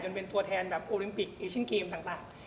เป็นตัวแทนแบบโอลิมปิกเอเชียนเกมต่าง